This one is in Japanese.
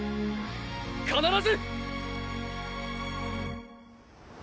必ず！